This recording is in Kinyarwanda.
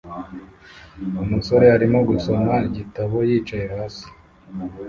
Umusore arimo gusoma igitabo yicaye hasi